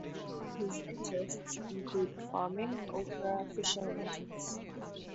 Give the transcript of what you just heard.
His interests include farming, opera, fishing and tennis.